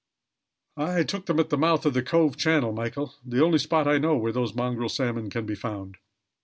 "I took them at the mouth of the Cove channel, Michael, the only spot I know where those mongrel salmon can be found.